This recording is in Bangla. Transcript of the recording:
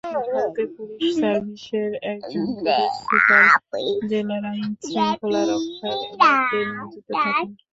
ভারতের পুলিশ সার্ভিসের একজন পুলিশ সুপার জেলার আইন শৃঙ্খলা রক্ষার দায়িত্বে নিয়োজিত থাকেন।